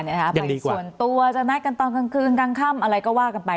บางส่วนตัวจะนัดกันตอนกลางคืนกลางค่ำอะไรก็ว่ากันไป